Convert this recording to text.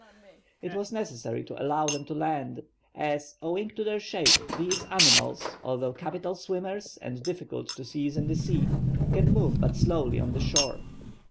It was necessary to allow them to land, as, owing to their shape, these animals, although capital swimmers and difficult to seize in the sea, can move but slowly on the shore.